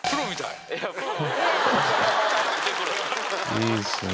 いいっすか？